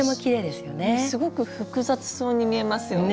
すごく複雑そうに見えますよね。